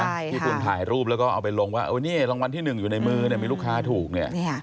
ที่คุณถ่ายรูปแล้วก็เอาไปลงว่าเออนี่รางวัลที่หนึ่งอยู่ในมือเนี่ยมีลูกค้าถูกเนี่ย